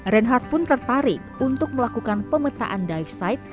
reinhardt pun tertarik untuk melakukan pemetaan dive site